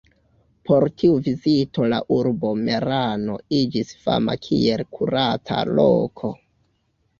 Pro tiu vizito la urbo Merano iĝis fama kiel kuraca loko.